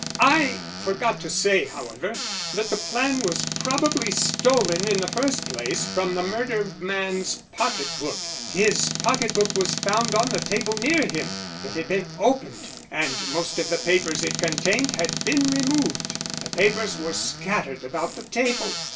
"I forgot to say, however, that the plan was probably stolen in the first place from the murdered man's pocket book his pocket book was found on the table near him. It had been opened and most of the papers it contained had been removed. The papers were scattered about the table.